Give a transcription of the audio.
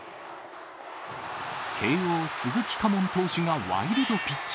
慶応、鈴木佳門投手がワイルドピッチ。